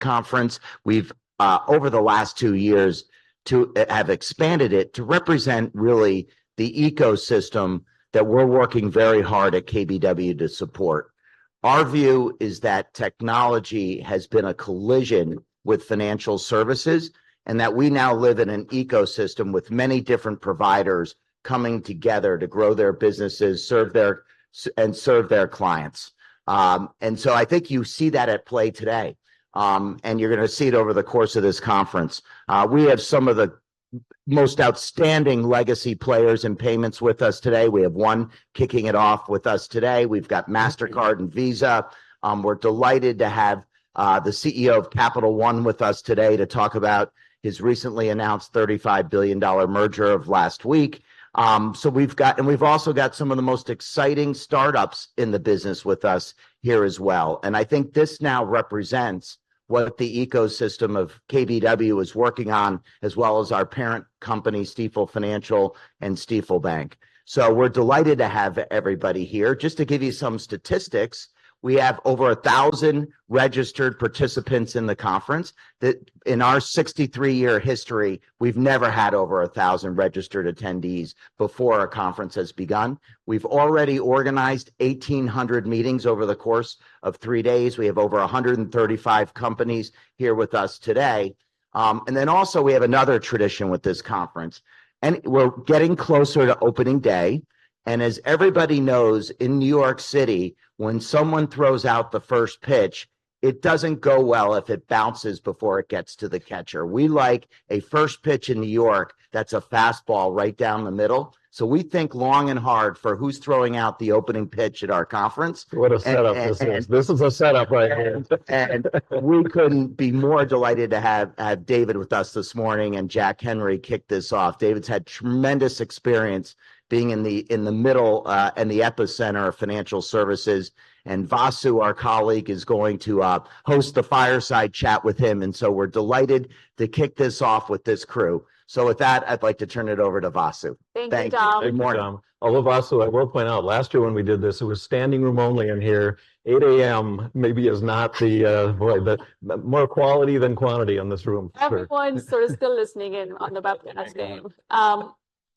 Conference, we've over the last two years to have expanded it to represent really the ecosystem that we're working very hard at KBW to support. Our view is that technology has been a collision with financial services, and that we now live in an ecosystem with many different providers coming together to grow their businesses, serve their FIs and serve their clients. So I think you see that at play today, and you're gonna see it over the course of this conference. We have some of the most outstanding legacy players in payments with us today. We have one kicking it off with us today. We've got Mastercard and Visa. We're delighted to have the CEO of Capital One with us today to talk about his recently announced $35 billion merger of last week. So we've got, and we've also got, some of the most exciting startups in the business with us here as well. I think this now represents what the ecosystem of KBW is working on, as well as our parent companies, Stifel Financial and Stifel Bank. So we're delighted to have everybody here. Just to give you some statistics, we have over 1,000 registered participants in the conference. That in our 63-year history, we've never had over 1,000 registered attendees before a conference has begun. We've already organized 1,800 meetings over the course of three days. We have over 135 companies here with us today. Then also we have another tradition with this conference. We're getting closer to opening day. And as everybody knows, in New York City, when someone throws out the first pitch, it doesn't go well if it bounces before it gets to the catcher. We like a first pitch in New York that's a fastball right down the middle. So we think long and hard for who's throwing out the opening pitch at our conference. What a setup this is. This is a setup right here. We couldn't be more delighted to have David with us this morning and Jack Henry kick this off. David's had tremendous experience being in the middle, in the epicenter of financial services. Vasu, our colleague, is going to host the fireside chat with him. So we're delighted to kick this off with this crew. So with that, I'd like to turn it over to Vasu. Thank you, Dom. Thank you, Dom. Good morning, Dom. Hello, Vasu. I will point out, last year when we did this, it was standing room only in here. 8:00 A.M. maybe is not the, boy, but more quality than quantity in this room. Everyone's sort of still listening in on the webcast game. So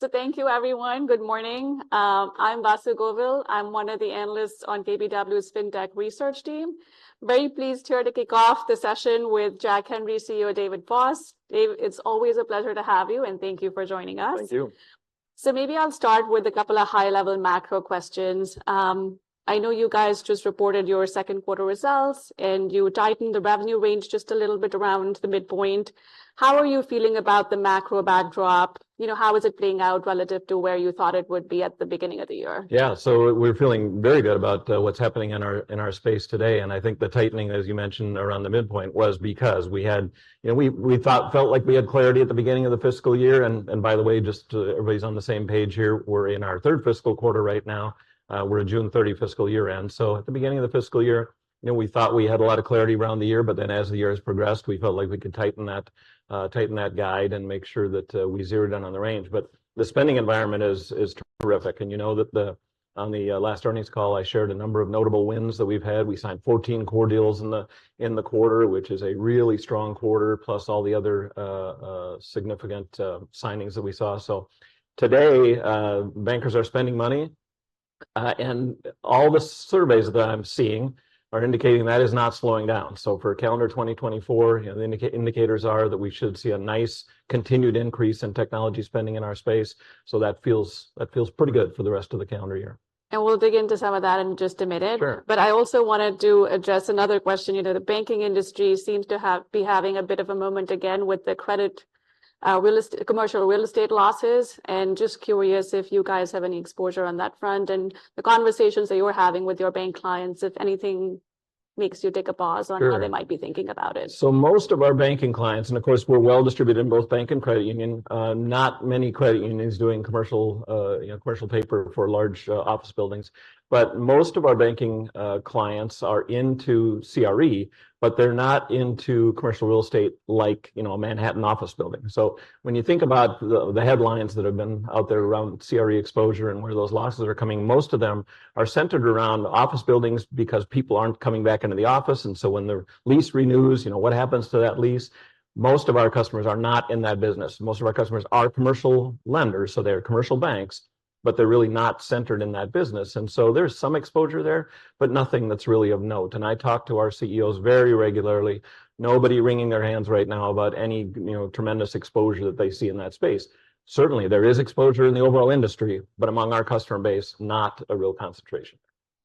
thank you, everyone. Good morning. I'm Vasu Govil. I'm one of the analysts on KBW's FinTech Research team. Very pleased here to kick off the session with Jack Henry CEO David Foss. Dave, it's always a pleasure to have you, and thank you for joining us. Thank you. So maybe I'll start with a couple of high-level macro questions. I know you guys just reported your second quarter results, and you tightened the revenue range just a little bit around the midpoint. How are you feeling about the macro backdrop? You know, how is it playing out relative to where you thought it would be at the beginning of the year? Yeah. So we're feeling very good about what's happening in our space today. And I think the tightening, as you mentioned, around the midpoint was because we had, you know, we thought we felt like we had clarity at the beginning of the FY. And by the way, just to everybody's on the same page here, we're in our third fiscal quarter right now. We're at June 30 FY-end. So at the beginning of the FY, you know, we thought we had a lot of clarity around the year. But then as the year has progressed, we felt like we could tighten that guide and make sure that we zeroed in on the range. But the spending environment is terrific. And you know that on the last earnings call, I shared a number of notable wins that we've had. We signed 14 core deals in the quarter, which is a really strong quarter, plus all the other, significant, signings that we saw. So today, bankers are spending money, and all the surveys that I'm seeing are indicating that is not slowing down. So for calendar 2024, you know, the indicators are that we should see a nice continued increase in technology spending in our space. So that feels pretty good for the rest of the calendar year. We'll dig into some of that in just a minute. Sure. But I also wanna address another question. You know, the banking industry seems to be having a bit of a moment again with the credit, real estate, Commercial Real Estate losses. And just curious if you guys have any exposure on that front and the conversations that you're having with your bank clients, if anything makes you take a pause on how they might be thinking about it. Sure. So most of our banking clients and of course, we're well-distributed in both bank and credit union. Not many credit unions doing commercial, you know, commercial paper for large, office buildings. But most of our banking, clients are into CRE, but they're not into commercial real estate like, you know, a Manhattan office building. So when you think about the, the headlines that have been out there around CRE exposure and where those losses are coming, most of them are centered around office buildings because people aren't coming back into the office. And so when the lease renews, you know, what happens to that lease? Most of our customers are not in that business. Most of our customers are commercial lenders, so they're commercial banks, but they're really not centered in that business. And so there's some exposure there, but nothing that's really of note. I talk to our CEOs very regularly. Nobody wringing their hands right now about any, you know, tremendous exposure that they see in that space. Certainly, there is exposure in the overall industry, but among our customer base, not a real concentration.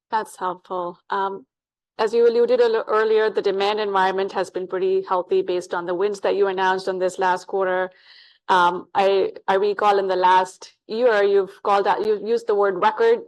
That's helpful. As you alluded a little earlier, the demand environment has been pretty healthy based on the wins that you announced in this last quarter. I, I recall in the last year, you've called that you've used the word "record"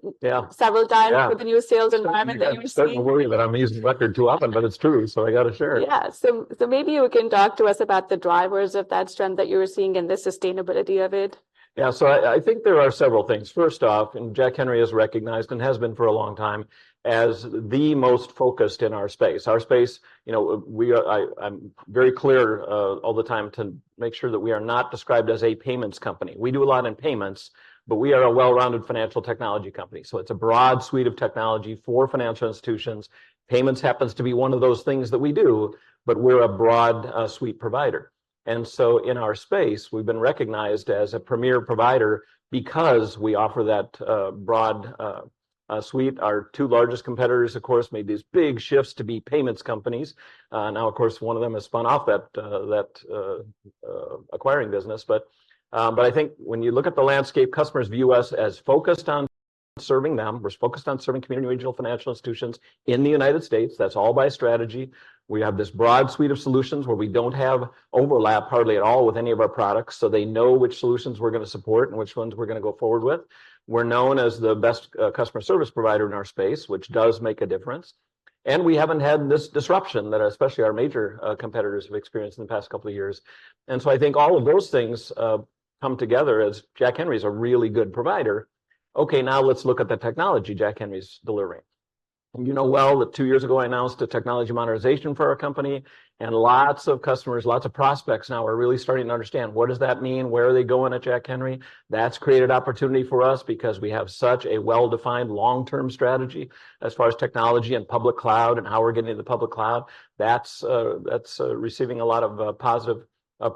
several times with the new sales environment that you've seen. Yeah. Don't worry that I'm using "record" too often, but it's true. So I gotta share it. Yeah. So, so maybe you can talk to us about the drivers of that strength that you were seeing in the sustainability of it? Yeah. So I, I think there are several things. First off, Jack Henry has recognized and has been for a long time as the most focused in our space. Our space, you know, we are I, I'm very clear, all the time to make sure that we are not described as a payments company. We do a lot in payments, but we are a well-rounded financial technology company. So it's a broad suite of technology for financial institutions. Payments happens to be one of those things that we do, but we're a broad suite provider. And so in our space, we've been recognized as a premier provider because we offer that broad suite. Our two largest competitors, of course, made these big shifts to be payments companies. Now, of course, one of them has spun off that acquiring business. But I think when you look at the landscape, customers view us as focused on serving them. We're focused on serving community regional financial institutions in the United States. That's all by strategy. We have this broad suite of solutions where we don't have overlap hardly at all with any of our products, so they know which solutions we're gonna support and which ones we're gonna go forward with. We're known as the best customer service provider in our space, which does make a difference. And we haven't had this disruption that especially our major competitors have experienced in the past couple of years. And so I think all of those things come together as Jack Henry's a really good provider. Okay, now let's look at the technology Jack Henry's delivering. And you know well that two years ago, I announced a technology modernization for our company, and lots of customers, lots of prospects now are really starting to understand, "What does that mean? Where are they going at Jack Henry?" That's created opportunity for us because we have such a well-defined long-term strategy as far as technology and public cloud and how we're getting into the public cloud. That's, that's, receiving a lot of positive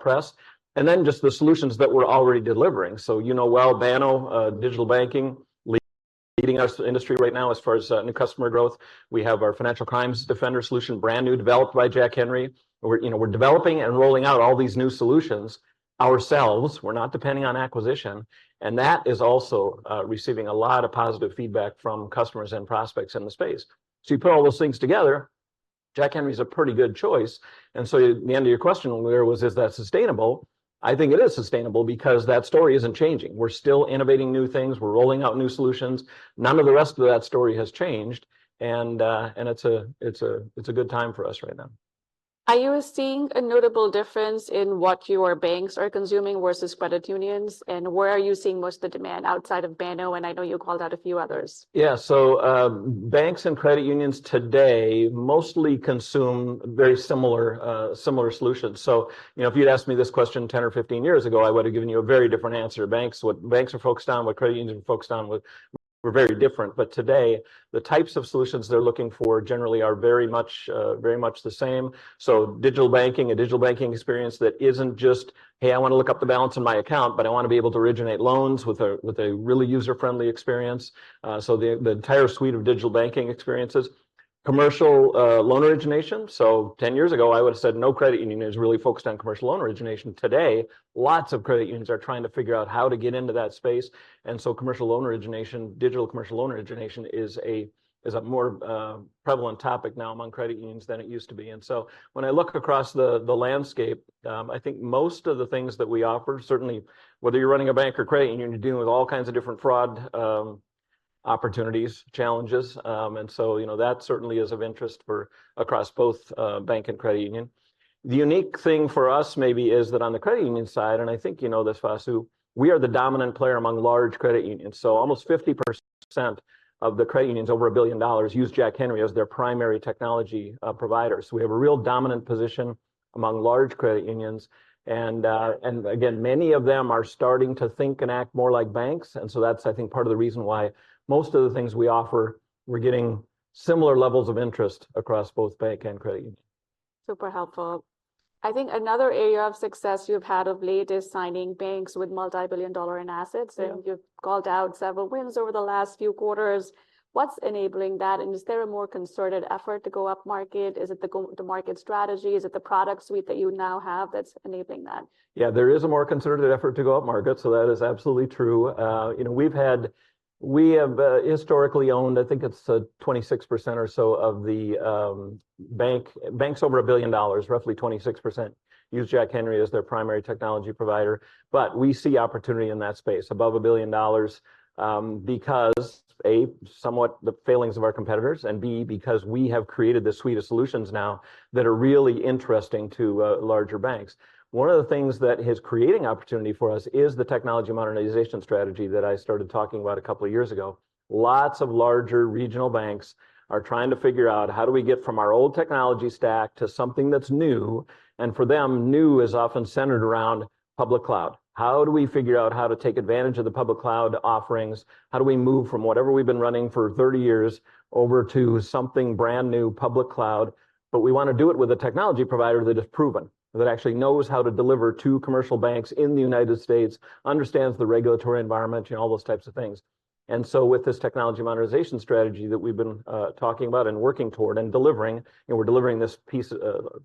press. And then just the solutions that we're already delivering. So you know well, Banno, digital banking, leading our industry right now as far as new customer growth. We have our Financial Crimes Defender solution, brand new, developed by Jack Henry. We're, you know, we're developing and rolling out all these new solutions ourselves. We're not depending on acquisition. That is also receiving a lot of positive feedback from customers and prospects in the space. So you put all those things together, Jack Henry's a pretty good choice. And so, to the end of your question there was, "Is that sustainable?" I think it is sustainable because that story isn't changing. We're still innovating new things. We're rolling out new solutions. None of the rest of that story has changed. And it's a good time for us right now. Are you seeing a notable difference in what your banks are consuming versus credit unions? And where are you seeing most of the demand outside of Banno? And I know you called out a few others. Yeah. So, banks and credit unions today mostly consume very similar, similar solutions. So, you know, if you'd asked me this question 10 or 15 years ago, I would have given you a very different answer. Banks, what banks are focused on, what credit unions are focused on, were very different. But today, the types of solutions they're looking for generally are very much, very much the same. So digital banking, a digital banking experience that isn't just, "Hey, I wanna look up the balance in my account, but I wanna be able to originate loans with a really user-friendly experience." So the entire suite of digital banking experiences. Commercial loan origination. So 10 years ago, I would have said no credit union is really focused on commercial loan origination. Today, lots of credit unions are trying to figure out how to get into that space. Commercial loan origination, digital commercial loan origination is a more prevalent topic now among credit unions than it used to be. When I look across the landscape, I think most of the things that we offer, certainly whether you're running a bank or credit union, you're dealing with all kinds of different fraud opportunities, challenges. So, you know, that certainly is of interest for across both bank and credit union. The unique thing for us maybe is that on the credit union side and I think you know this, Vasu, we are the dominant player among large credit unions. So almost 50% of the credit unions over $1 billion use Jack Henry as their primary technology provider. So we have a real dominant position among large credit unions. And again, many of them are starting to think and act more like banks. And so that's, I think, part of the reason why most of the things we offer, we're getting similar levels of interest across both bank and credit union. Super helpful. I think another area of success you've had of late is signing banks with multi-billion dollars in assets. You've called out several wins over the last few quarters. What's enabling that? Is there a more concerted effort to go upmarket? Is it the go-to-market strategy? Is it the product suite that you now have that's enabling that? Yeah, there is a more concerted effort to go up market. So that is absolutely true. You know, we have, historically owned, I think it's, 26% or so of the banks over $1 billion, roughly 26%, use Jack Henry as their primary technology provider. But we see opportunity in that space, above $1 billion, because, A, somewhat the failings of our competitors, and B, because we have created this suite of solutions now that are really interesting to larger banks. One of the things that is creating opportunity for us is the technology modernization strategy that I started talking about a couple of years ago. Lots of larger regional banks are trying to figure out, "How do we get from our old technology stack to something that's new?" And for them, new is often centered around public cloud. How do we figure out how to take advantage of the public cloud offerings? How do we move from whatever we've been running for 30 years over to something brand new, public cloud? But we wanna do it with a technology provider that is proven, that actually knows how to deliver to commercial banks in the United States, understands the regulatory environment, you know, all those types of things. And so with this technology modernization strategy that we've been talking about and working toward and delivering, you know, we're delivering this piece,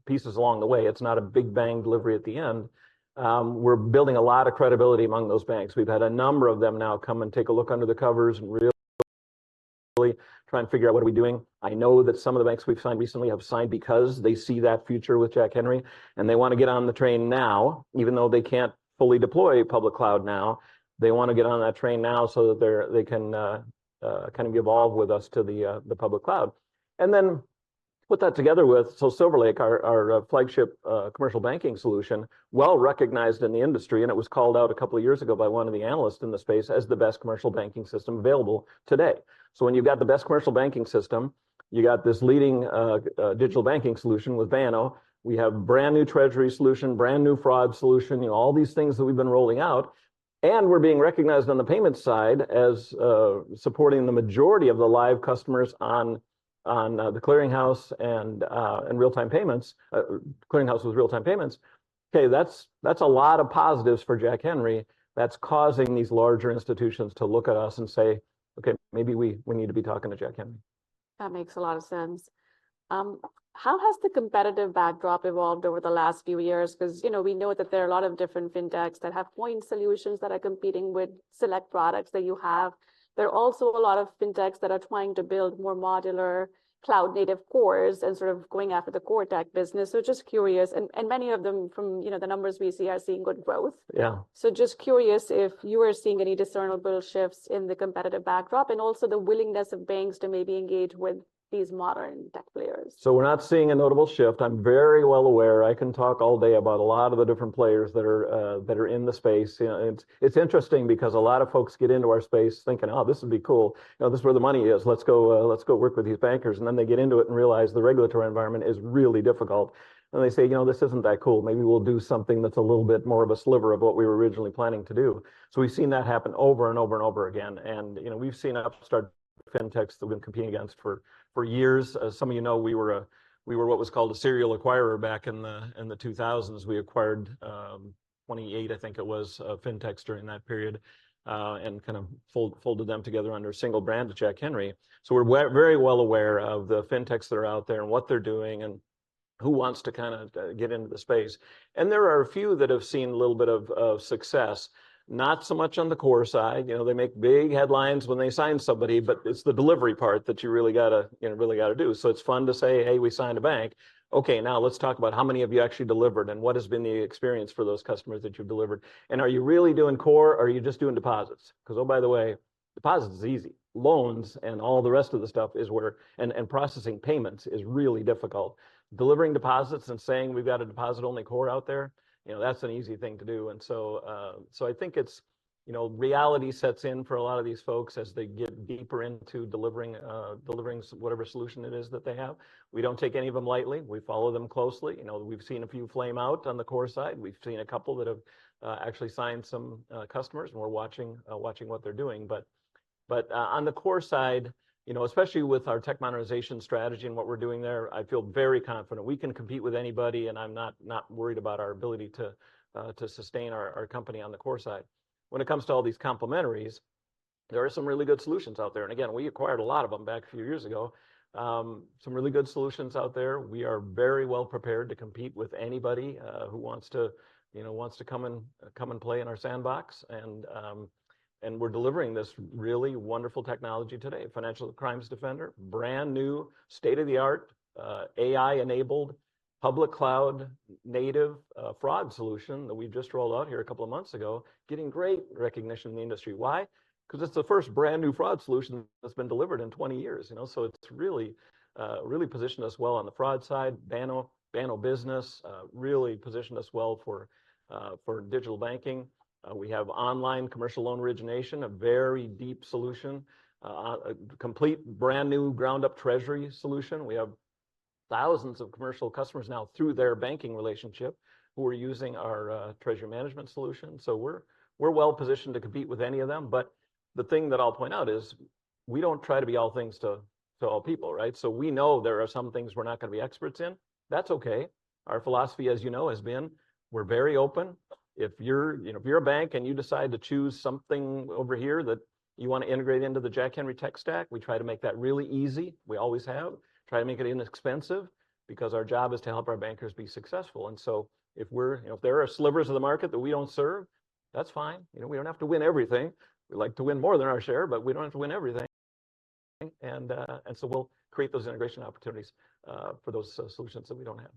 pieces along the way. It's not a big bang delivery at the end. We're building a lot of credibility among those banks. We've had a number of them now come and take a look under the covers and really try and figure out, "What are we doing?" I know that some of the banks we've signed recently have signed because they see that future with Jack Henry. And they wanna get on the train now, even though they can't fully deploy public cloud now. They wanna get on that train now so that they can, kind of evolve with us to the public cloud. And then put that together with our SilverLake, our flagship commercial banking solution, well recognized in the industry. And it was called out a couple of years ago by one of the analysts in the space as the best commercial banking system available today. So when you've got the best commercial banking system, you got this leading digital banking solution with Banno, we have brand new treasury solution, brand new fraud solution, you know, all these things that we've been rolling out. And we're being recognized on the payments side as supporting the majority of the live customers on the Clearing House and real-time payments Clearing House with real-time payments. Okay, that's a lot of positives for Jack Henry that's causing these larger institutions to look at us and say, "Okay, maybe we need to be talking to Jack Henry. That makes a lot of sense. How has the competitive backdrop evolved over the last few years? Because, you know, we know that there are a lot of different fintechs that have point solutions that are competing with select products that you have. There are also a lot of fintechs that are trying to build more modular cloud-native cores and sort of going after the core tech business. So just curious and many of them from, you know, the numbers we see are seeing good growth. Yeah. Just curious if you are seeing any discernible shifts in the competitive backdrop and also the willingness of banks to maybe engage with these modern tech players? So we're not seeing a notable shift. I'm very well aware. I can talk all day about a lot of the different players that are in the space. You know, it's interesting because a lot of folks get into our space thinking, "Oh, this would be cool. You know, this is where the money is. Let's go, let's go work with these bankers." And then they get into it and realize the regulatory environment is really difficult. And they say, "You know, this isn't that cool. Maybe we'll do something that's a little bit more of a sliver of what we were originally planning to do." So we've seen that happen over and over and over again. And, you know, we've seen upstart fintechs that we've been competing against for years. As some of you know, we were what was called a serial acquirer back in the 2000s. We acquired 28, I think it was, fintechs during that period, and kind of folded them together under a single brand to Jack Henry. So we're very well aware of the fintechs that are out there and what they're doing and who wants to kind of get into the space. And there are a few that have seen a little bit of success, not so much on the core side. You know, they make big headlines when they sign somebody, but it's the delivery part that you really gotta, you know, really gotta do. So it's fun to say, "Hey, we signed a bank. Okay, now let's talk about how many of you actually delivered and what has been the experience for those customers that you've delivered? And are you really doing core? Are you just doing deposits?" Because, oh, by the way, deposits is easy. Loans and all the rest of the stuff is where processing payments is really difficult. Delivering deposits and saying, "We've got a deposit-only core out there," you know, that's an easy thing to do. So I think it's, you know, reality sets in for a lot of these folks as they get deeper into delivering whatever solution it is that they have. We don't take any of them lightly. We follow them closely. You know, we've seen a few flame out on the core side. We've seen a couple that have actually signed some customers. And we're watching what they're doing. But on the core side, you know, especially with our tech modernization strategy and what we're doing there, I feel very confident. We can compete with anybody. And I'm not worried about our ability to sustain our company on the core side. When it comes to all these complementaries, there are some really good solutions out there. And again, we acquired a lot of them back a few years ago. Some really good solutions out there. We are very well prepared to compete with anybody who wants to, you know, come and play in our sandbox. And we're delivering this really wonderful technology today, Financial Crimes Defender, brand new, state-of-the-art, AI-enabled, public cloud-native, fraud solution that we've just rolled out here a couple of months ago, getting great recognition in the industry. Why? Because it's the first brand new fraud solution that's been delivered in 20 years, you know. So it's really, really positioned us well on the fraud side. Banno, Banno Business, really positioned us well for digital banking. We have online commercial loan origination, a very deep solution, a complete brand new ground-up treasury solution. We have thousands of commercial customers now through their banking relationship who are using our treasury management solution. So we're well positioned to compete with any of them. But the thing that I'll point out is, we don't try to be all things to all people, right? So we know there are some things we're not gonna be experts in. That's okay. Our philosophy, as you know, has been, we're very open. If you're, you know, if you're a bank and you decide to choose something over here that you wanna integrate into the Jack Henry tech stack, we try to make that really easy. We always have. Try to make it inexpensive because our job is to help our bankers be successful. And so if we're, you know, if there are slivers of the market that we don't serve, that's fine. You know, we don't have to win everything. We like to win more than our share, but we don't have to win everything. And, and so we'll create those integration opportunities for those solutions that we don't have.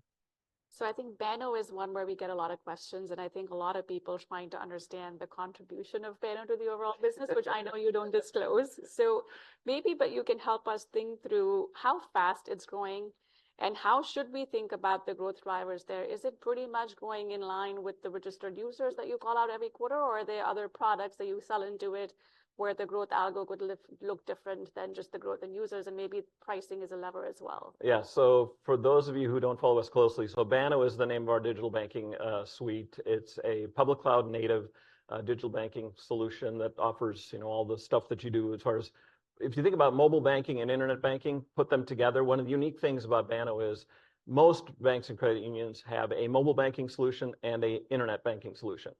So I think Banno is one where we get a lot of questions. And I think a lot of people trying to understand the contribution of Banno to the overall business, which I know you don't disclose. So maybe, but you can help us think through how fast it's growing and how should we think about the growth drivers there? Is it pretty much going in line with the registered users that you call out every quarter? Or are there other products that you sell into it where the growth algo could look different than just the growth in users? And maybe pricing is a lever as well. Yeah. So for those of you who don't follow us closely, Banno is the name of our digital banking suite. It's a public cloud-native digital banking solution that offers, you know, all the stuff that you do as far as if you think about mobile banking and internet banking put together. One of the unique things about Banno is most banks and credit unions have a mobile banking solution and an internet banking solution.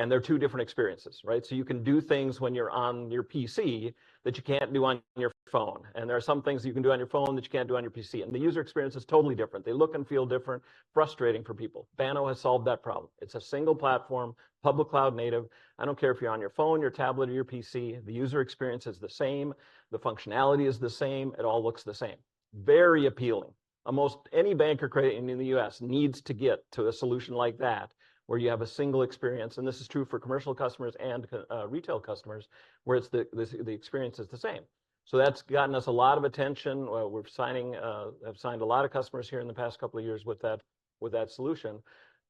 And they're two different experiences, right? So you can do things when you're on your PC that you can't do on your phone. And there are some things that you can do on your phone that you can't do on your PC. And the user experience is totally different. They look and feel different, frustrating for people. Banno has solved that problem. It's a single platform, public cloud-native. I don't care if you're on your phone, your tablet, or your PC. The user experience is the same. The functionality is the same. It all looks the same. Very appealing. Almost any bank or credit union in the U.S. needs to get to a solution like that where you have a single experience. And this is true for commercial customers and retail customers, where it's the experience is the same. So that's gotten us a lot of attention. We have signed a lot of customers here in the past couple of years with that solution.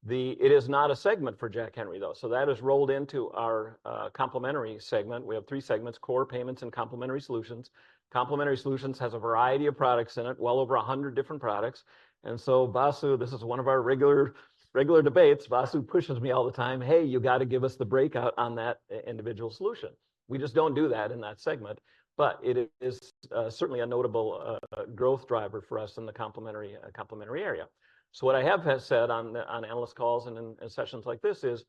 It is not a segment for Jack Henry, though. So that has rolled into our complementary segment. We have three segments: core, payments, and complementary solutions. Complementary solutions has a variety of products in it, well over 100 different products. So, Vasu, this is one of our regular debates. Vasu pushes me all the time, "Hey, you gotta give us the breakout on that individual solution." We just don't do that in that segment. But it is certainly a notable, growth driver for us in the complementary area. So what I have said on the analyst calls and in sessions like this is,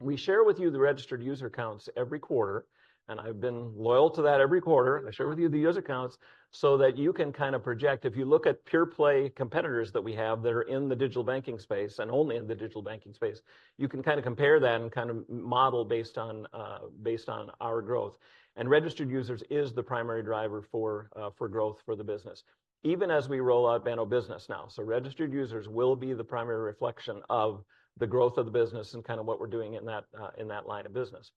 we share with you the registered user accounts every quarter. And I've been loyal to that every quarter. I share with you the user accounts so that you can kind of project, if you look at pure play competitors that we have that are in the digital banking space and only in the digital banking space, you can kind of compare that and kind of model based on our growth. Registered users is the primary driver for growth for the business, even as we roll out Banno Business now. So registered users will be the primary reflection of the growth of the business and kind of what we're doing in that line of business.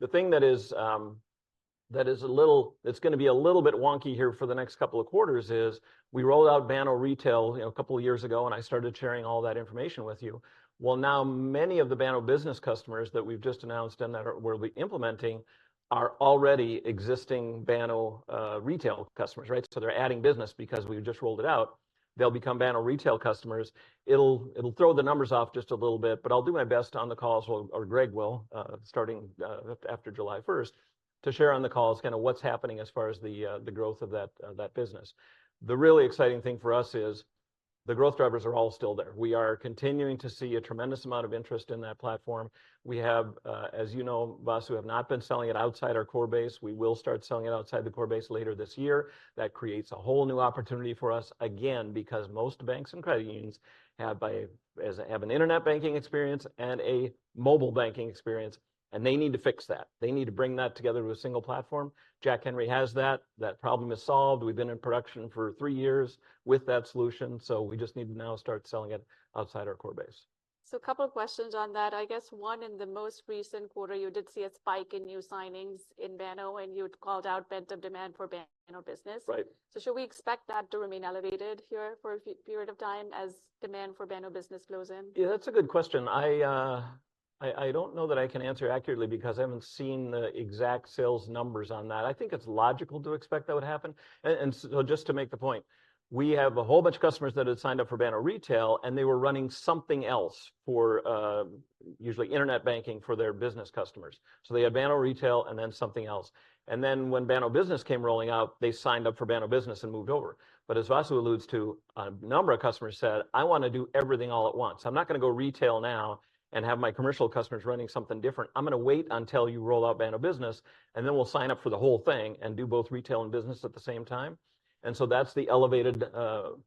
The thing that is a little that's gonna be a little bit wonky here for the next couple of quarters is, we rolled out Banno Retail, you know, a couple of years ago, and I started sharing all that information with you. Well, now many of the Banno Business customers that we've just announced and that are where we're implementing are already existing Banno Retail customers, right? So they're adding business because we just rolled it out. They'll become Banno Retail customers. It'll throw the numbers off just a little bit. But I'll do my best on the calls while Greg will, starting after July 1st, to share on the calls kind of what's happening as far as the growth of that business. The really exciting thing for us is, the growth drivers are all still there. We are continuing to see a tremendous amount of interest in that platform. We have, as you know, Vasu, not been selling it outside our core base. We will start selling it outside the core base later this year. That creates a whole new opportunity for us again, because most banks and credit unions have an internet banking experience and a mobile banking experience. And they need to fix that. They need to bring that together to a single platform. Jack Henry has that. That problem is solved. We've been in production for three years with that solution. So we just need to now start selling it outside our core base. So a couple of questions on that. I guess one in the most recent quarter, you did see a spike in new signings in Banno, and you'd called out pent-up demand for Banno Business. Right. So should we expect that to remain elevated here for a period of time as demand for Banno Business blows in? Yeah, that's a good question. I don't know that I can answer accurately because I haven't seen the exact sales numbers on that. I think it's logical to expect that would happen. And so just to make the point, we have a whole bunch of customers that had signed up for Banno Retail, and they were running something else for, usually internet banking for their business customers. So they had Banno Retail and then something else. And then when Banno Business came rolling out, they signed up for Banno Business and moved over. But as Vasu alludes to, a number of customers said, "I wanna do everything all at once. I'm not gonna go retail now and have my commercial customers running something different. I'm gonna wait until you roll out Banno Business, and then we'll sign up for the whole thing and do both retail and business at the same time." And so that's the elevated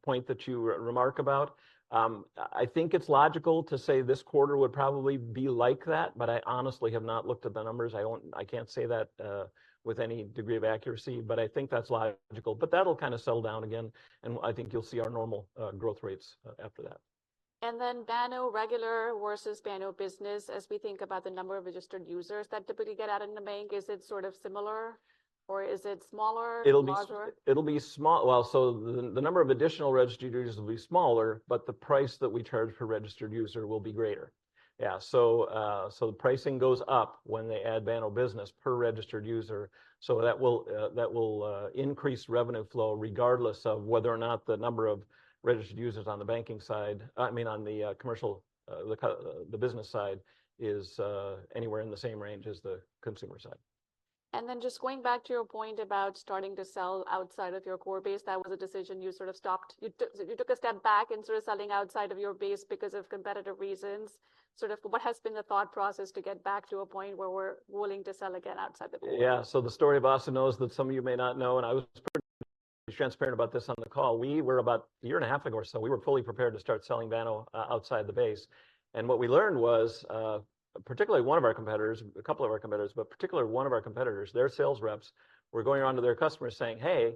point that you remark about. I think it's logical to say this quarter would probably be like that. But I honestly have not looked at the numbers. I can't say that with any degree of accuracy. But I think that's logical. But that'll kind of settle down again. And I think you'll see our normal growth rates after that. And then Banno regular versus Banno Business, as we think about the number of registered users that typically get out in the bank, is it sort of similar? Or is it smaller? It'll be small. Well, so the number of additional registered users will be smaller, but the price that we charge per registered user will be greater. Yeah. So the pricing goes up when they add Banno Business per registered user. So that will increase revenue flow regardless of whether or not the number of registered users on the banking side, I mean, on the commercial, the business side is anywhere in the same range as the consumer side. And then just going back to your point about starting to sell outside of your core base, that was a decision you sort of stopped. You took a step back and sort of selling outside of your base because of competitive reasons. Sort of what has been the thought process to get back to a point where we're willing to sell again outside the base? Yeah. So the story Vasu knows that some of you may not know, and I was pretty transparent about this on the call. We were about a year and a half ago or so, we were fully prepared to start selling Banno outside the base. And what we learned was, particularly one of our competitors, a couple of our competitors, but particularly one of our competitors, their sales reps were going around to their customers saying, "Hey,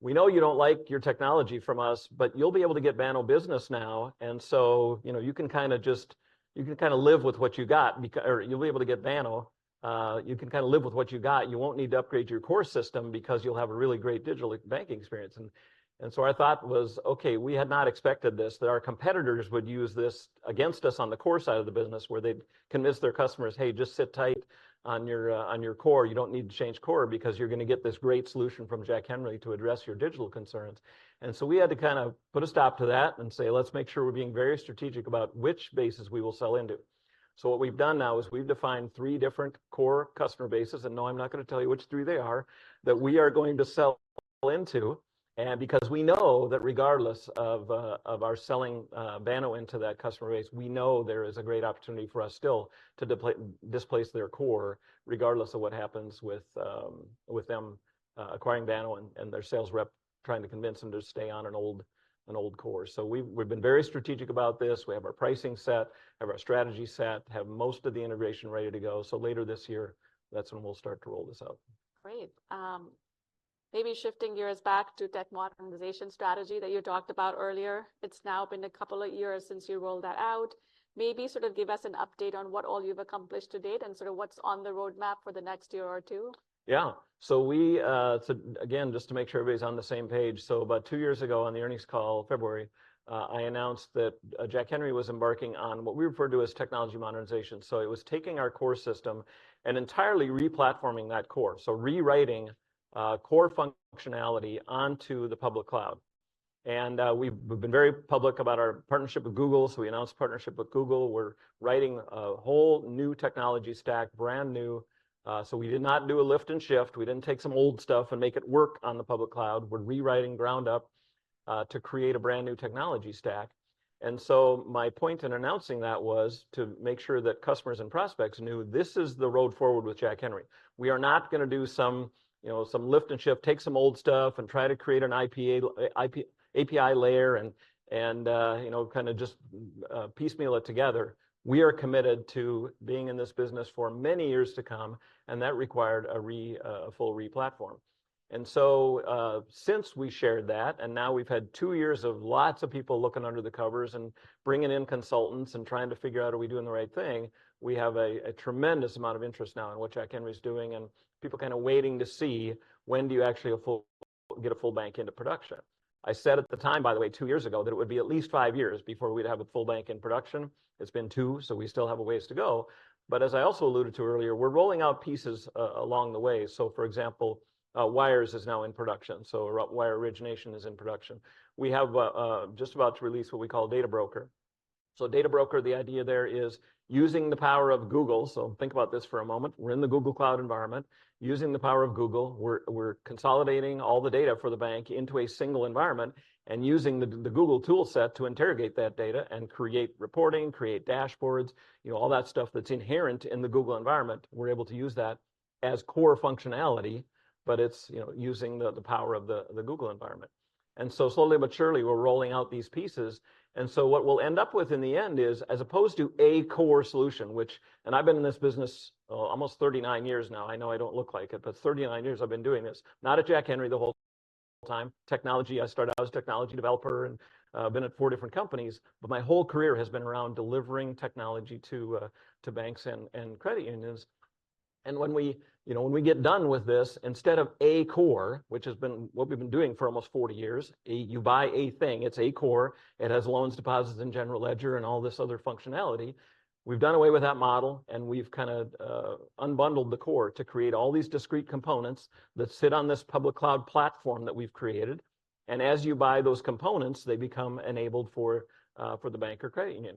we know you don't like your technology from us, but you'll be able to get Banno Business now. And so, you know, you can kind of just you can kind of live with what you got, because or you'll be able to get Banno. You can kind of live with what you got. You won't need to upgrade your core system because you'll have a really great digital banking experience." And so our thought was, "Okay, we had not expected this, that our competitors would use this against us on the core side of the business, where they'd convince their customers, 'Hey, just sit tight on your core. You don't need to change core because you're gonna get this great solution from Jack Henry to address your digital concerns.'" And so we had to kind of put a stop to that and say, "Let's make sure we're being very strategic about which bases we will sell into." So what we've done now is we've defined three different core customer bases. And no, I'm not gonna tell you which three they are that we are going to sell into. And because we know that regardless of our selling Banno into that customer base, we know there is a great opportunity for us still to displace their core, regardless of what happens with them acquiring Banno and their sales rep trying to convince them to stay on an old core. So we've been very strategic about this. We have our pricing set, have our strategy set, have most of the integration ready to go. So later this year, that's when we'll start to roll this out. Great. Maybe shifting gears back to tech modernization strategy that you talked about earlier. It's now been a couple of years since you rolled that out. Maybe sort of give us an update on what all you've accomplished to date and sort of what's on the roadmap for the next year or two. Yeah. So we, so again, just to make sure everybody's on the same page. So about two years ago on the earnings call, February, I announced that Jack Henry was embarking on what we refer to as technology modernization. So it was taking our core system and entirely replatforming that core. So rewriting core functionality onto the public cloud. And we've been very public about our partnership with Google. So we announced partnership with Google. We're writing a whole new technology stack, brand new. So we did not do a lift and shift. We didn't take some old stuff and make it work on the public cloud. We're rewriting ground up to create a brand new technology stack. And so my point in announcing that was to make sure that customers and prospects knew, "This is the road forward with Jack Henry. We are not gonna do some, you know, some lift and shift, take some old stuff, and try to create an APILayer and, you know, kind of just piecemeal it together. We are committed to being in this business for many years to come." And that required a full replatform. And so, since we shared that, and now we've had two years of lots of people looking under the covers and bringing in consultants and trying to figure out, "Are we doing the right thing?" We have a tremendous amount of interest now in what Jack Henry is doing, and people kind of waiting to see, "When do you actually get a full bank into production?" I said at the time, by the way, two years ago, that it would be at least five years before we'd have a full bank in production. It's been two, so we still have a ways to go. But as I also alluded to earlier, we're rolling out pieces along the way. So, for example, Wires is now in production. So Wire Origination is in production. We have just about to release what we call a Data Broker. So Data Broker, the idea there is using the power of Google, so think about this for a moment. We're in the Google Cloud environment. Using the power of Google, we're consolidating all the data for the bank into a single environment and using the Google toolset to interrogate that data and create reporting, create dashboards, you know, all that stuff that's inherent in the Google environment. We're able to use that as core functionality, but it's, you know, using the power of the Google environment. And so slowly but surely, we're rolling out these pieces. And so what we'll end up with in the end is, as opposed to a core solution, which-and I've been in this business almost 39 years now. I know I don't look like it, but 39 years I've been doing this. Not at Jack Henry the whole time. Technology I started out as a technology developer and, been at four different companies. But my whole career has been around delivering technology to banks and credit unions. And when we, you know, when we get done with this, instead of a core, which has been what we've been doing for almost 40 years, you buy a thing. It's a core. It has loans, deposits, and general ledger and all this other functionality. We've done away with that model, and we've kind of unbundled the core to create all these discrete components that sit on this public cloud platform that we've created. As you buy those components, they become enabled for the bank or credit union.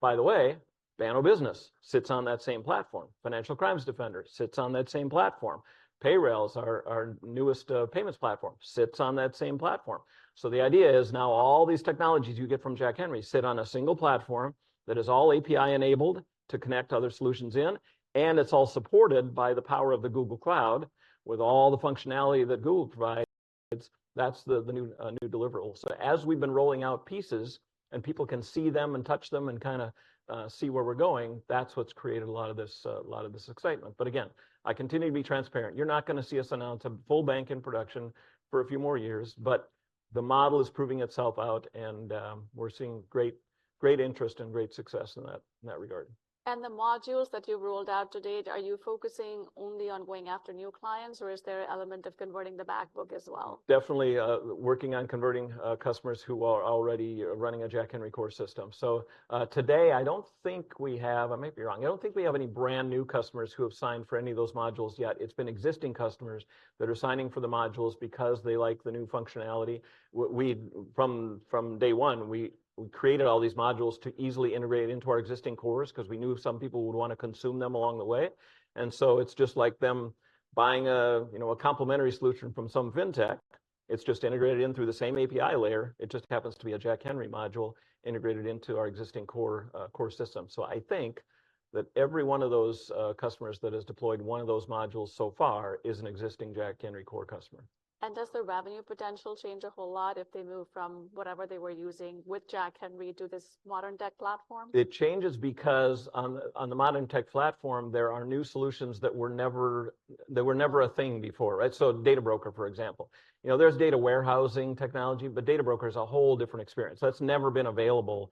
By the way, Banno Business sits on that same platform. Financial Crimes Defender sits on that same platform. Payrailz, our newest payments platform, sits on that same platform. So the idea is now all these technologies you get from Jack Henry sit on a single platform that is all API enabled to connect other solutions in. And it's all supported by the power of the Google Cloud with all the functionality that Google provides. That's the new deliverable. So as we've been rolling out pieces, and people can see them and touch them and kind of see where we're going, that's what's created a lot of this, a lot of this excitement. But again, I continue to be transparent. You're not gonna see us announce a full bank in production for a few more years. But the model is proving itself out, and we're seeing great great interest and great success in that in that regard. The modules that you rolled out to date, are you focusing only on going after new clients, or is there an element of converting the backbook as well? Definitely, working on converting customers who are already running a Jack Henry core system. So, today I don't think we have-I may be wrong. I don't think we have any brand new customers who have signed for any of those modules yet. It's been existing customers that are signing for the modules because they like the new functionality. We from day one, we created all these modules to easily integrate into our existing cores because we knew some people would want to consume them along the way. And so it's just like them buying a, you know, a complementary solution from some fintech. It's just integrated in through the same APILayer. It just happens to be a Jack Henry module integrated into our existing core system. I think that every one of those customers that has deployed one of those modules so far is an existing Jack Henry core customer. Does the revenue potential change a whole lot if they move from whatever they were using with Jack Henry to this modern tech platform? It changes because on the modern tech platform, there are new solutions that were never a thing before, right? So Data Broker, for example, you know, there's data warehousing technology, but Data Broker is a whole different experience. That's never been available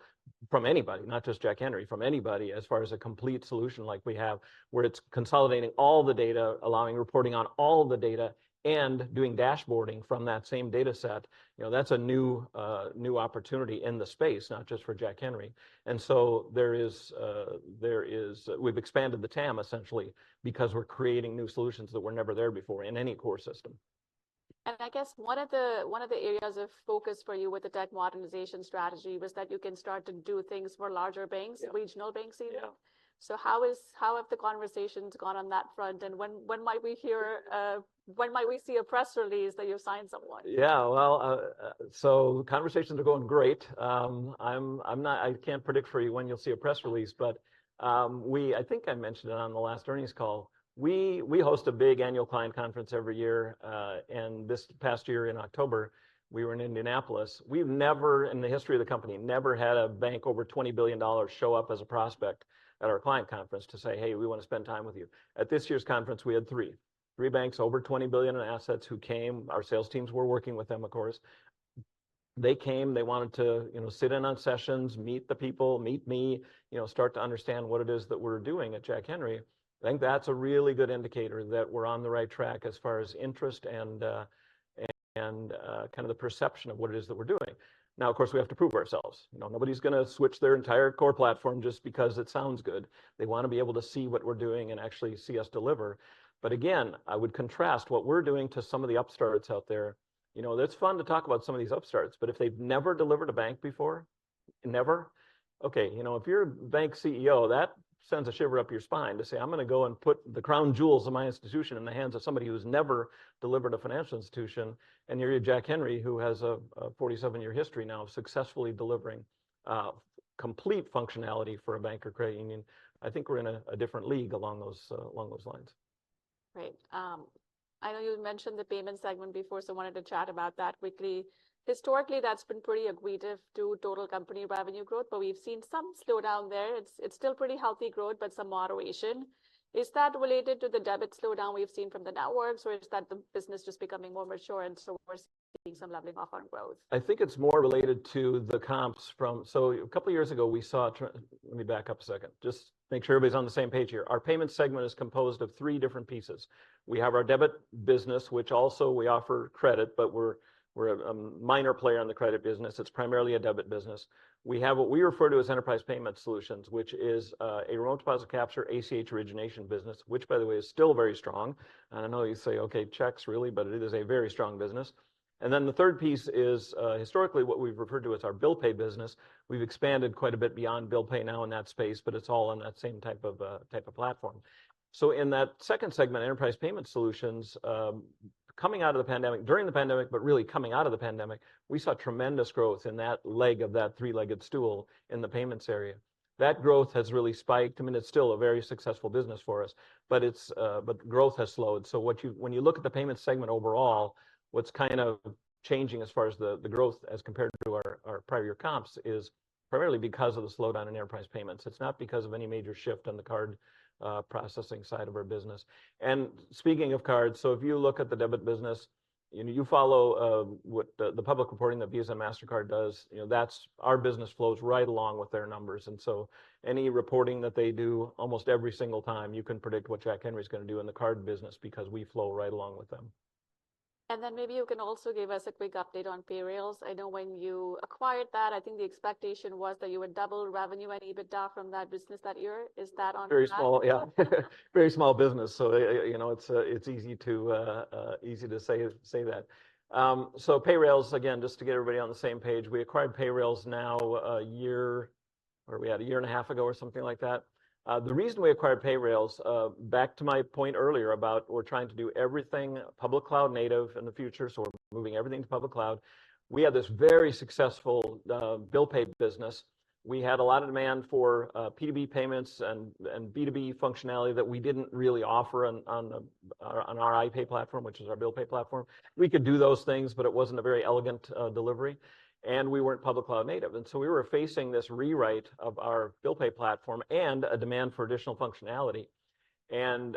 from anybody, not just Jack Henry, from anybody as far as a complete solution like we have, where it's consolidating all the data, allowing reporting on all the data, and doing dashboarding from that same data set. You know, that's a new new opportunity in the space, not just for Jack Henry. And so we've expanded the TAM essentially because we're creating new solutions that were never there before in any core system. I guess one of the areas of focus for you with the tech modernization strategy was that you can start to do things for larger banks, regional banks even. So how have the conversations gone on that front? When might we hear, when might we see a press release that you've signed someone? Yeah. Well, conversations are going great. I'm not. I can't predict for you when you'll see a press release. But, we, I think I mentioned it on the last earnings call. We host a big annual client conference every year. This past year in October, we were in Indianapolis. We've never in the history of the company had a bank over $20 billion show up as a prospect at our client conference to say, "Hey, we want to spend time with you." At this year's conference, we had three. Three banks over $20 billion in assets who came. Our sales teams were working with them, of course. They came. They wanted to, you know, sit in on sessions, meet the people, meet me, you know, start to understand what it is that we're doing at Jack Henry. I think that's a really good indicator that we're on the right track as far as interest and kind of the perception of what it is that we're doing. Now, of course, we have to prove ourselves. You know, nobody's gonna switch their entire core platform just because it sounds good. They want to be able to see what we're doing and actually see us deliver. But again, I would contrast what we're doing to some of the upstarts out there. You know, it's fun to talk about some of these upstarts, but if they've never delivered a bank before, never. Okay, you know, if you're a bank CEO, that sends a shiver up your spine to say, "I'm gonna go and put the crown jewels of my institution in the hands of somebody who's never delivered a financial institution." And here you have Jack Henry, who has a 47-year history now of successfully delivering complete functionality for a bank or credit union. I think we're in a different league along those lines. Great. I know you mentioned the payment segment before, so I wanted to chat about that quickly. Historically, that's been pretty acquainted to total company revenue growth, but we've seen some slowdown there. It's still pretty healthy growth, but some moderation. Is that related to the debit slowdown we've seen from the networks, or is that the business just becoming more mature? And so we're seeing some leveling off on growth. I think it's more related to the comps from so a couple of years ago, we saw. Let me back up a second. Just make sure everybody's on the same page here. Our payment segment is composed of three different pieces. We have our debit business, which also we offer credit, but we're a minor player in the credit business. It's primarily a debit business. We have what we refer to as Enterprise Payment Solutions, which is a remote deposit capture, ACH origination business, which, by the way, is still very strong. And I know you say, "Okay, checks, really?" But it is a very strong business. And then the third piece is, historically, what we've referred to as our bill pay business. We've expanded quite a bit beyond bill pay now in that space, but it's all on that same type of platform. So in that second segment, Enterprise Payment Solutions, coming out of the pandemic during the pandemic, but really coming out of the pandemic, we saw tremendous growth in that leg of that three-legged stool in the payments area. That growth has really spiked. I mean, it's still a very successful business for us, but it's but growth has slowed. So what you when you look at the payment segment overall, what's kind of changing as far as the the growth as compared to our our prior year comps is primarily because of the slowdown in enterprise payments. It's not because of any major shift on the card, processing side of our business. And speaking of cards, so if you look at the debit business, you know, you follow, what the the public reporting that Visa and Mastercard does, you know, that's our business flows right along with their numbers. And so any reporting that they do almost every single time, you can predict what Jack Henry is going to do in the card business because we flow right along with them. And then maybe you can also give us a quick update on Payrailz. I know when you acquired that, I think the expectation was that you would double revenue and EBITDA from that business that year. Is that on track? Very small. Yeah. Very small business. So, you know, it's easy to say that. So Payrailz, again, just to get everybody on the same page, we acquired Payrailz now a year or a year and a half ago or something like that. The reason we acquired Payrailz, back to my point earlier about we're trying to do everything public cloud-native in the future. So we're moving everything to public cloud. We had this very successful bill pay business. We had a lot of demand for P2B payments and B2B functionality that we didn't really offer on our iPay platform, which is our bill pay platform. We could do those things, but it wasn't a very elegant delivery. And we weren't public cloud-native. And so we were facing this rewrite of our bill pay platform and a demand for additional functionality. And,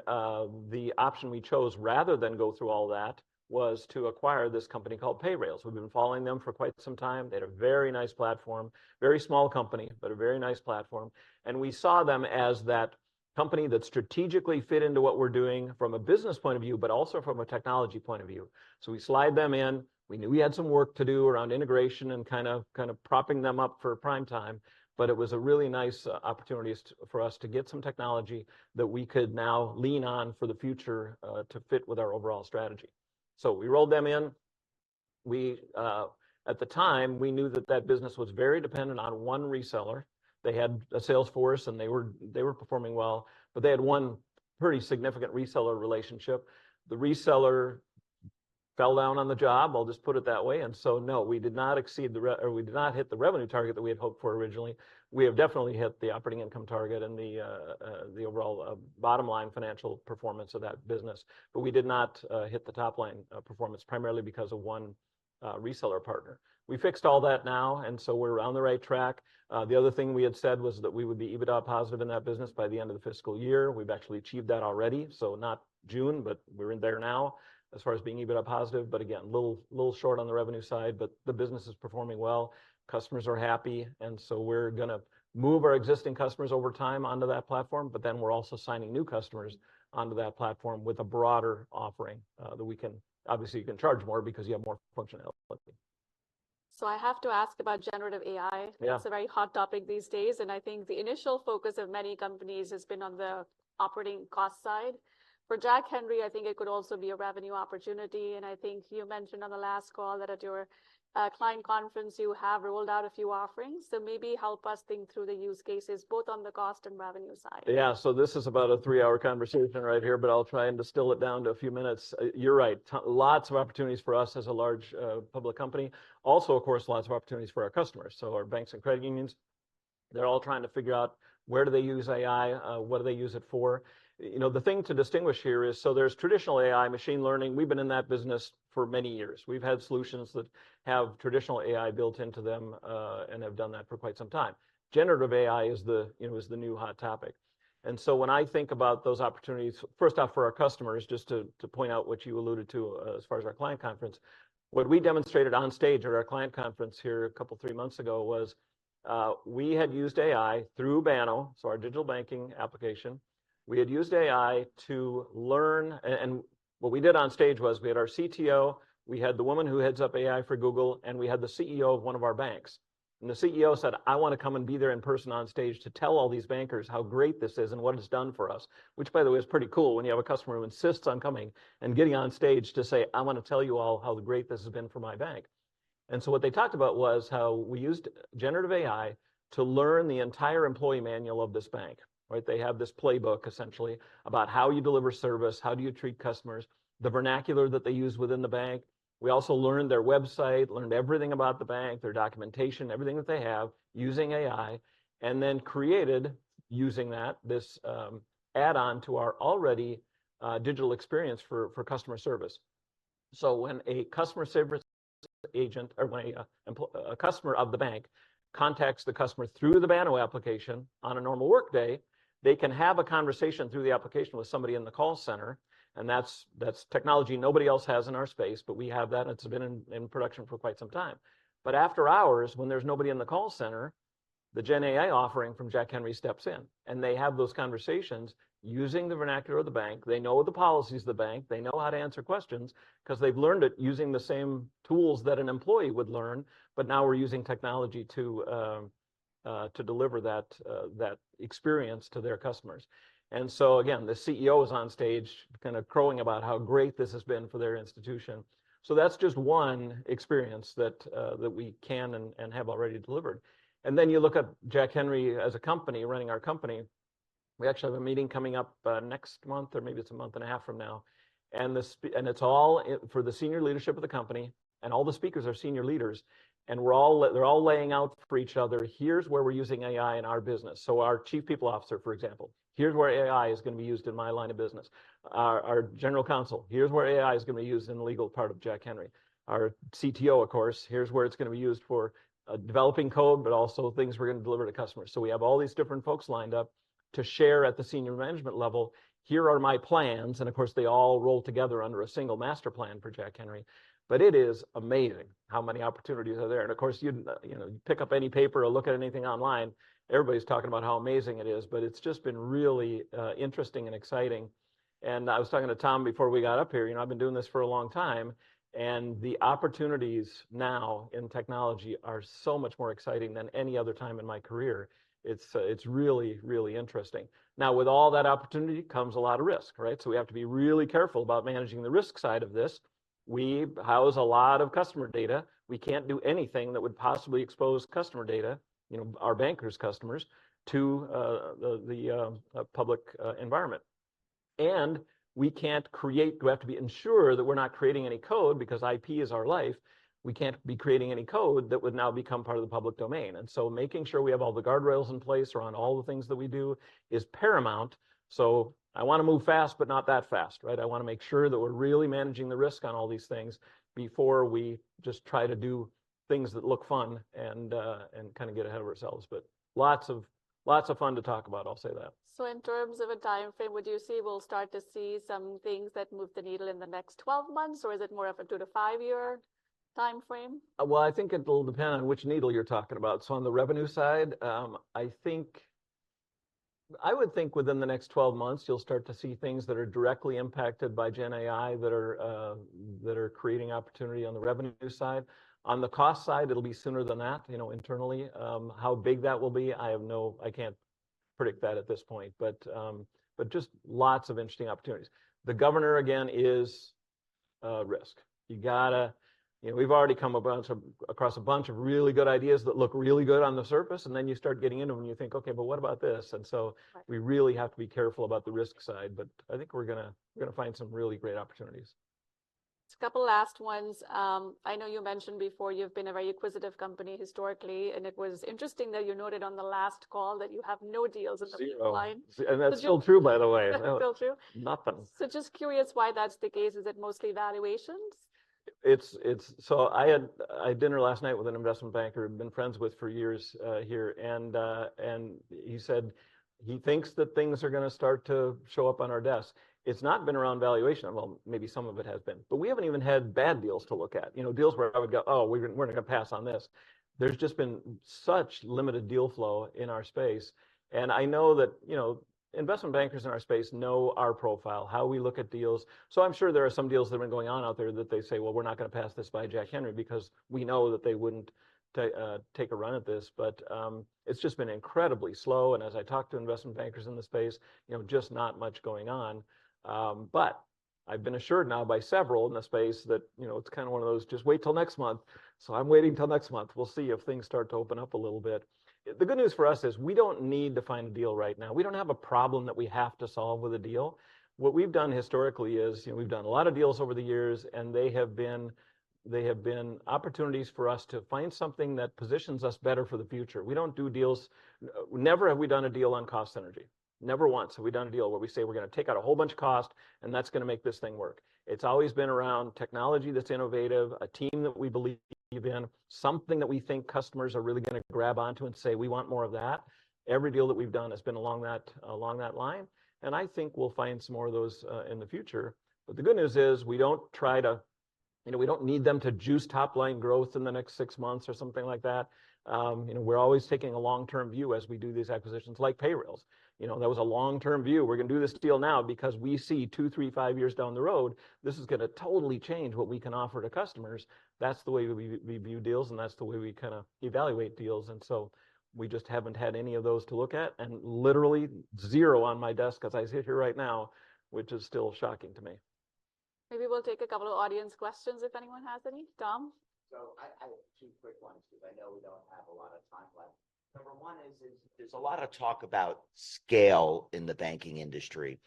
the option we chose rather than go through all that was to acquire this company called Payrailz. We've been following them for quite some time. They had a very nice platform, very small company, but a very nice platform. And we saw them as that company that strategically fit into what we're doing from a business point of view, but also from a technology point of view. So we slide them in. We knew we had some work to do around integration and kind of kind of propping them up for prime time. But it was a really nice opportunity for us to get some technology that we could now lean on for the future to fit with our overall strategy. So we rolled them in. We, at the time, we knew that that business was very dependent on one reseller. They had a sales force, and they were performing well. But they had one pretty significant reseller relationship. The reseller fell down on the job, I'll just put it that way. And so, no, we did not hit the revenue target that we had hoped for originally. We have definitely hit the operating income target and the overall bottom line financial performance of that business. But we did not hit the top line performance primarily because of one reseller partner. We fixed all that now, and so we're on the right track. The other thing we had said was that we would be EBITDA positive in that business by the end of the FY. We've actually achieved that already. So not June, but we're in there now as far as being EBITDA positive. But again, a little short on the revenue side. But the business is performing well. Customers are happy. And so we're gonna move our existing customers over time onto that platform. But then we're also signing new customers onto that platform with a broader offering that we can obviously, you can charge more because you have more functionality. I have to ask generative AI. it's a very hot topic these days, and I think the initial focus of many companies has been on the operating cost side. For Jack Henry, I think it could also be a revenue opportunity. And I think you mentioned on the last call that at your client conference, you have rolled out a few offerings. Maybe help us think through the use cases, both on the cost and revenue side. Yeah. So this is about a three hour conversation right here, but I'll try and distill it down to a few minutes. You're right. Lots of opportunities for us as a large public company. Also, of course, lots of opportunities for our customers. So our banks and credit unions, they're all trying to figure out, where do they use AI? What do they use it for? You know, the thing to distinguish here is, so there's traditional AI, machine learning. We've been in that business for many years. We've had solutions that have traditional AI built into them and have done that for quite some generative AI is the, you know, is the new hot topic. And so when I think about those opportunities, first off, for our customers, just to point out what you alluded to as far as our client conference, what we demonstrated on stage at our client conference here a couple of three months ago was, we had used AI through Banno, so our digital banking application. We had used AI to learn. And what we did on stage was, we had our CTO, we had the woman who heads up AI for Google, and we had the CEO of one of our banks. And the CEO said, "I want to come and be there in person on stage to tell all these bankers how great this is and what it's done for us," which, by the way, is pretty cool when you have a customer who insists on coming and getting on stage to say, "I want to tell you all how great this has been for my bank." And so what they talked about was how we generative AI to learn the entire employee manual of this bank, right? They have this playbook, essentially, about how you deliver service, how do you treat customers, the vernacular that they use within the bank. We also learned their website, learned everything about the bank, their documentation, everything that they have using AI, and then created, using that, this add-on to our already digital experience for customer service. So when a customer service agent or when a customer of the bank contacts the customer through the Banno application on a normal workday, they can have a conversation through the application with somebody in the call center. And that's that's technology nobody else has in our space, but we have that, and it's been in production for quite some time. But after hours, when there's nobody in the call center, the Gen AI offering from Jack Henry steps in, and they have those conversations using the vernacular of the bank. They know the policies of the bank. They know how to answer questions because they've learned it using the same tools that an employee would learn. But now we're using technology to deliver that experience to their customers. And so again, the CEO is on stage kind of crowing about how great this has been for their institution. So that's just one experience that we can and have already delivered. And then you look at Jack Henry as a company running our company. We actually have a meeting coming up next month, or maybe it's a month and a half from now. And it's all for the senior leadership of the company. And all the speakers are senior leaders. And we're all laying out for each other. Here's where we're using AI in our business. So our Chief People Officer, for example, here's where AI is going to be used in my line of business. Our General Counsel, here's where AI is going to be used in the legal part of Jack Henry. Our CTO, of course, here's where it's going to be used for developing code, but also things we're going to deliver to customers. So we have all these different folks lined up to share at the senior management level. Here are my plans. And of course, they all roll together under a single master plan for Jack Henry. But it is amazing how many opportunities are there. And of course, you'd, you know, you pick up any paper or look at anything online. Everybody's talking about how amazing it is, but it's just been really interesting and exciting. And I was talking to Tom before we got up here. You know, I've been doing this for a long time. And the opportunities now in technology are so much more exciting than any other time in my career. It's it's really, really interesting. Now, with all that opportunity comes a lot of risk, right? So we have to be really careful about managing the risk side of this. We house a lot of customer data. We can't do anything that would possibly expose customer data, you know, our bankers' customers, to the public environment. And we can't create. We have to be ensured that we're not creating any code because IP is our life. We can't be creating any code that would now become part of the public domain. And so making sure we have all the guardrails in place around all the things that we do is paramount. So I want to move fast, but not that fast, right? I want to make sure that we're really managing the risk on all these things before we just try to do things that look fun and and kind of get ahead of ourselves. But lots of lots of fun to talk about. I'll say that. In terms of a timeframe, would you say we'll start to see some things that move the needle in the next 12 months, or is it more of a 2 to 5 year timeframe? Well, I think it'll depend on which needle you're talking about. So on the revenue side, I think I would think within the next 12 months, you'll start to see things that are directly impacted by Gen AI that are creating opportunity on the revenue side. On the cost side, it'll be sooner than that, you know, internally. How big that will be, I can't predict that at this point. But just lots of interesting opportunities. The governor, again, is risk. You gotta, you know, we've already come across a bunch of really good ideas that look really good on the surface, and then you start getting into them, and you think, "Okay, but what about this?" And so we really have to be careful about the risk side. But I think we're gonna find some really great opportunities. Couple last ones. I know you mentioned before you've been a very acquisitive company historically, and it was interesting that you noted on the last call that you have no deals in the line. And that's still true, by the way. Still true? Nothing. Just curious why that's the case? Is it mostly valuations? It's so I had dinner last night with an investment banker I've been friends with for years here, and he said he thinks that things are going to start to show up on our desk. It's not been around valuation. Well, maybe some of it has been, but we haven't even had bad deals to look at, you know, deals where I would go, "Oh, we're not going to pass on this." There's just been such limited deal flow in our space. And I know that, you know, investment bankers in our space know our profile, how we look at deals. So I'm sure there are some deals that have been going on out there that they say, "Well, we're not going to pass this by Jack Henry," because we know that they wouldn't take a run at this. But it's just been incredibly slow. As I talk to investment bankers in the space, you know, just not much going on. But I've been assured now by several in the space that, you know, it's kind of one of those, "Just wait till next month." So I'm waiting till next month. We'll see if things start to open up a little bit. The good news for us is we don't need to find a deal right now. We don't have a problem that we have to solve with a deal. What we've done historically is, you know, we've done a lot of deals over the years, and they have been opportunities for us to find something that positions us better for the future. We don't do deals. Never have we done a deal on cost synergies. Never once have we done a deal where we say, "We're going to take out a whole bunch of cost, and that's going to make this thing work." It's always been around technology that's innovative, a team that we believe in, something that we think customers are really going to grab onto and say, "We want more of that." Every deal that we've done has been along that along that line. And I think we'll find some more of those in the future. But the good news is we don't try to, you know, we don't need them to juice top line growth in the next six months or something like that. You know, we're always taking a long-term view as we do these acquisitions, like Payrailz. You know, that was a long-term view. We're going to do this deal now because we see two, three, five years down the road, this is going to totally change what we can offer to customers. That's the way we view deals, and that's the way we kind of evaluate deals. And so we just haven't had any of those to look at, and literally zero on my desk as I sit here right now, which is still shocking to me. Maybe we'll take a couple of audience questions, if anyone has any. Tom? So I have two quick ones, because I know we don't have a lot of time left. Number one is, there's a lot of talk about scale in the banking industry.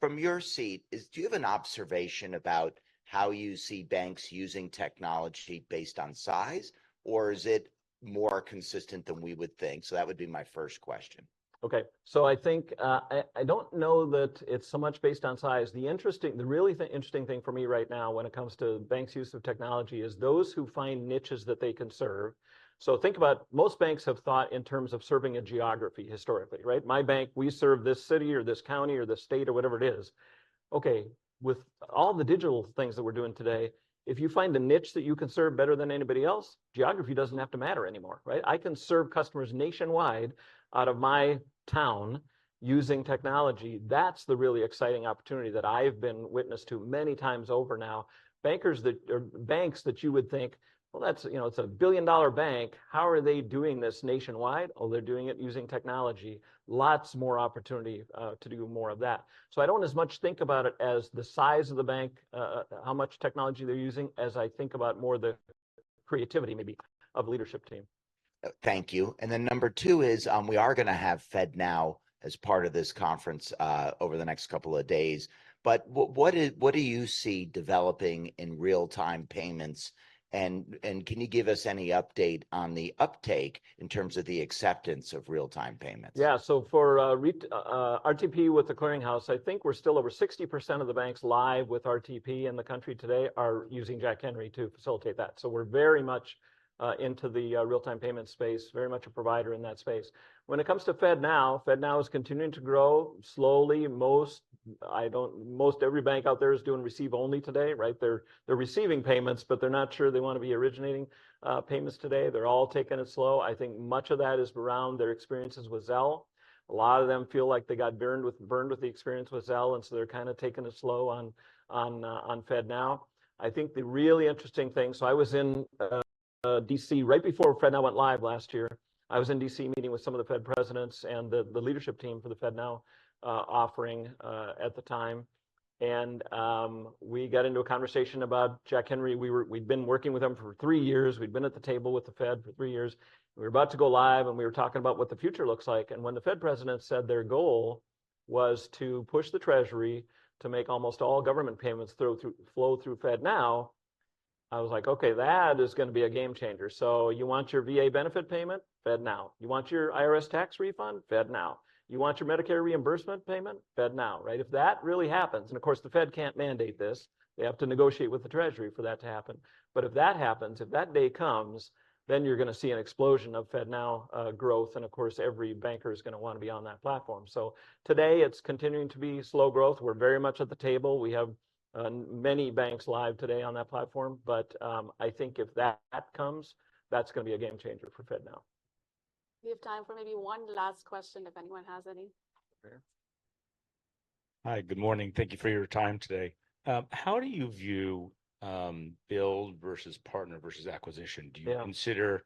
From your seat, do you have an observation about how you see banks using technology based on size, or is it more consistent than we would think? So that would be my first question. Okay. So I think I don't know that it's so much based on size. The really interesting thing for me right now, when it comes to banks' use of technology, is those who find niches that they can serve. So think about most banks have thought in terms of serving a geography historically, right? My bank, we serve this city or this county or this state or whatever it is. Okay. With all the digital things that we're doing today, if you find a niche that you can serve better than anybody else, geography doesn't have to matter anymore, right? I can serve customers nationwide out of my town using technology. That's the really exciting opportunity that I've been witness to many times over now. Bankers that or banks that you would think, "Well, that's, you know, it's a billion-dollar bank. How are they doing this nationwide?" Oh, they're doing it using technology. Lots more opportunity to do more of that. So I don't as much think about it as the size of the bank, how much technology they're using, as I think about more the creativity, maybe, of a leadership team. Thank you. And then number two is, we are going to have FedNow as part of this conference over the next couple of days. But what do you see developing in real-time payments? And can you give us any update on the uptake in terms of the acceptance of real-time payments? Yeah. So for RTP with The Clearing House, I think we're still over 60% of the banks live with RTP in the country today are using Jack Henry to facilitate that. So we're very much into the real-time payment space, very much a provider in that space. When it comes to FedNow, FedNow is continuing to grow slowly. Most every bank out there is doing receive-only today, right? They're receiving payments, but they're not sure they want to be originating payments today. They're all taking it slow. I think much of that is around their experiences with Zelle. A lot of them feel like they got burned with the experience with Zelle. And so they're kind of taking it slow on FedNow. I think the really interesting thing. So I was in D.C. right before FedNow went live last year. I was in D.C. meeting with some of the Fed presidents and the leadership team for the FedNow offering at the time. We got into a conversation about Jack Henry. We were, we'd been working with him for 3 years. We'd been at the table with the Fed for three years. We were about to go live, and we were talking about what the future looks like. When the Fed president said their goal was to push the Treasury to make almost all government payments flow through FedNow, I was like, "Okay, that is going to be a game changer." So you want your VA benefit payment? FedNow. You want your IRS tax refund? FedNow. You want your Medicare reimbursement payment? FedNow, right? If that really happens, and of course, the Fed can't mandate this. They have to negotiate with the Treasury for that to happen. But if that happens, if that day comes, then you're going to see an explosion of FedNow growth. And of course, every banker is going to want to be on that platform. So today it's continuing to be slow growth. We're very much at the table. We have many banks live today on that platform. But I think if that comes, that's going to be a game changer for FedNow. We have time for maybe one last question, if anyone has any. Hi. Good morning. Thank you for your time today. How do you view build versus partner versus acquisition? Do you consider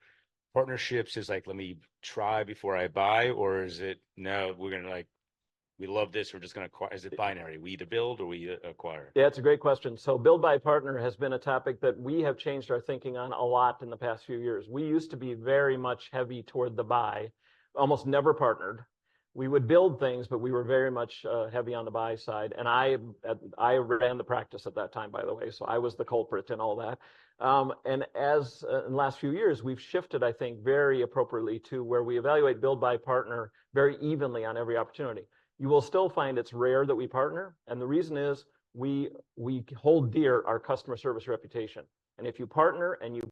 partnerships as like, "Let me try before I buy," or is it, "No, we're going to like, we love this. We're just going to acquire"? Is it binary? We either build or we acquire? Yeah, it's a great question. So build, buy, partner has been a topic that we have changed our thinking on a lot in the past few years. We used to be very much heavy toward the buy, almost never partnered. We would build things, but we were very much heavy on the buy side. And I ran the practice at that time, by the way. So I was the culprit in all that. And in the last few years, we've shifted, I think, very appropriately to where we evaluate build, buy, partner very evenly on every opportunity. You will still find it's rare that we partner. And the reason is we hold dear our customer service reputation. If you partner and you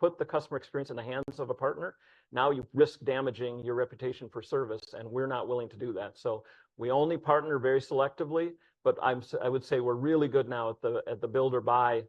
put the customer experience in the hands of a partner, now you risk damaging your reputation for service, and we're not willing to do that. So we only partner very selectively. But I would say we're really good now at the build or buy.